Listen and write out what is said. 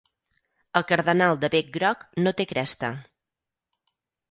El cardenal de bec groc no té cresta.